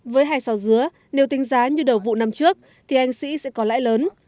với hai sao dứa nếu tính giá như đầu vụ năm trước thì anh sĩ sẽ có lãi lớn